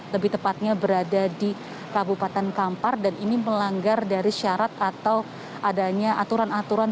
lebih tepatnya berada di kabupaten kampar dan ini melanggar dari syarat atau adanya aturan aturan